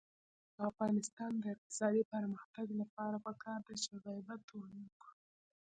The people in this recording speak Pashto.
د افغانستان د اقتصادي پرمختګ لپاره پکار ده چې غیبت ونکړو.